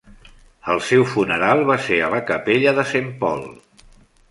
El seu funeral va ser a la capella de Saint Paul.